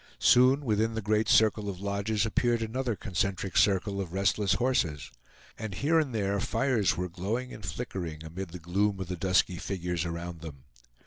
Soon within the great circle of lodges appeared another concentric circle of restless horses; and here and there fires were glowing and flickering amid the gloom of the dusky figures around them.